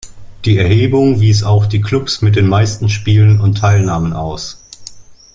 Die Erhebung wies auch die Klubs mit den meisten Spielen und Teilnahmen aus.